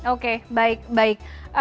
oke baik baik